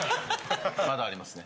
まだありますね。